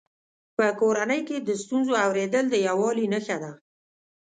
په کورنۍ کې د ستونزو اورېدل د یووالي نښه ده.